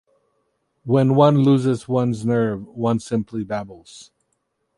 When one loses one's nerve, one simply babbles.